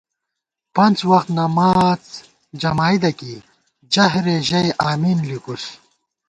پنڅ وخت نماڅ جمائدہ کېئی جہرے ژَئی امین لِکُس